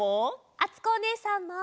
あづきおねえさんも！